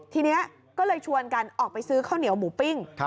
ทีนี้ก็เลยชวนกันออกไปซื้อข้าวเหนียวหมูปิ้ง